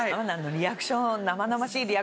リアクション。